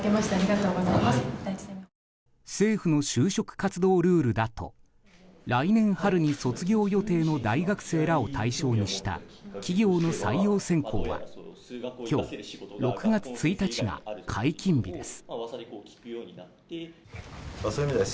政府の就職活動ルールだと来年春に卒業予定の大学生らを対象にした企業の採用選考は今日、６月１日が解禁日です。